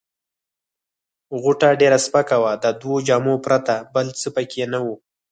غوټه ډېره سپکه وه، د دوو جامو پرته بل څه پکښې نه وه.